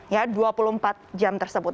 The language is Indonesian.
ya dua puluh empat jam tersebut